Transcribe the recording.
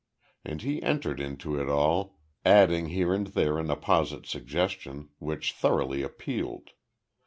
And he entered into it all, adding here and there an apposite suggestion, which thoroughly appealed.